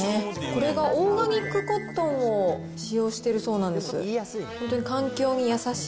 これがオーガニックコットンを使用しているそうなんです。